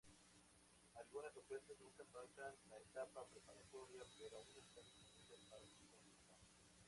Algunas propuestas nunca pasan la etapa preparatoria, pero aún están disponibles para su consulta.